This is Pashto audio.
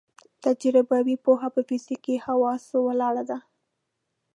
تجربوي پوهه په فزیکي حواسو ولاړه ده.